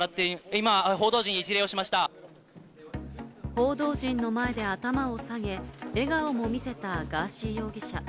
報道陣の前で頭を下げ、笑顔も見せたガーシー容疑者。